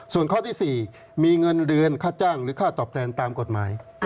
ส่วนข้อที่๔มีเงินเดือนค่าจ้างหรือค่าตอบแทนตามกฎหมาย